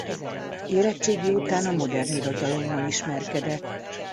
Érettségi után a modern irodalommal ismerkedett.